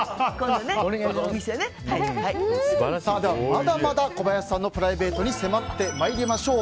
まだまだ小林さんのプライベートに迫ってまいりましょう。